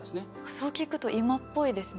そう聞くと今っぽいですね。